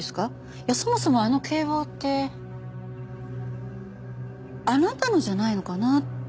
いやそもそもあの警棒ってあなたのじゃないのかなって